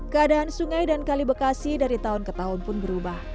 keadaan sungai dan kali bekasi dari tahun ke tahun pun berubah